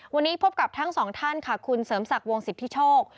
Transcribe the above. วันนี้พบกับทั้งสองท่านค่ะคุณเสริมศักดิ์วงสิทธิโชค